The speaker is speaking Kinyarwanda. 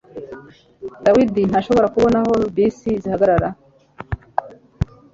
David ntashobora kubona aho bisi zihagarara